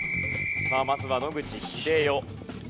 さあまずは野口ひでよ。